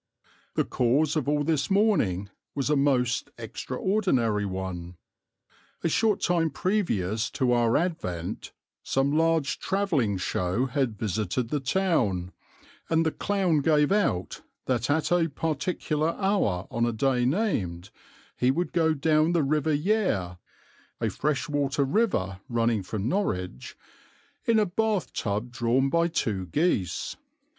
The cause of all this mourning was a most extraordinary one. A short time previous to our advent some large travelling show had visited the town, and the clown gave out that at a particular hour on a day named he would go down the River Yare (a fresh water river running from Norwich) in a tub drawn by two geese.